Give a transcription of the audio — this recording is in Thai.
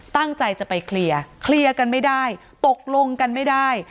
ตั้งใจจะไปเคลียร์เคลียร์กันไม่ได้ตกลงกันไม่ได้